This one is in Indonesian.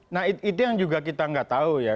nah itu yang juga kita nggak tahu ya